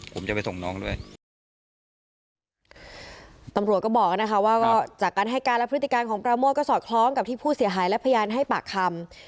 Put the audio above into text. ผมจะไปส่งน้องด้วยตำรวจก็บอกนะคะว่าก็จากการให้การและพฤติการของปราโมทก็สอดคล้องกับที่ผู้เสียหายและพยานให้ปากคำ